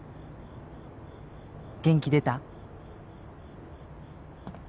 元気出た？